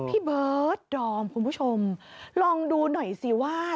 พี่เบิร์ดดอมคุณผู้ชมลองดูหน่อยสิว่า